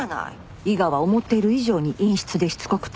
伊賀は思っている以上に陰湿でしつこくて。